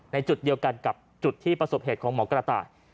ในจุดเดียวกันกับจุดที่ประสบเหตุของหมอกระต่าย